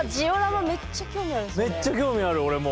めっちゃ興味ある俺も。